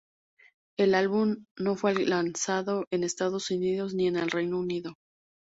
El álbum no fue lanzado en Estados Unidos ni el Reino Unido.